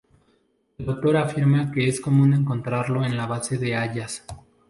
Un autor afirma que es común encontrarlo en la base de hayas.